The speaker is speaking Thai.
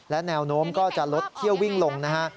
และแนวโน้มก็จะลดเที่ยววิ่งลงนะฮะ